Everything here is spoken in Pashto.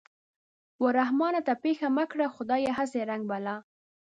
و رحمان ته پېښه مه کړې خدايه هسې رنگ بلا